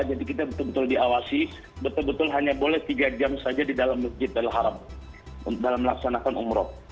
jadi kita betul betul diawasi betul betul hanya boleh tiga jam saja di dalam masjid al haram dalam melaksanakan umroh